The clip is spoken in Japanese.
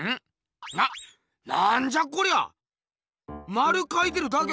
まるかいてるだけ？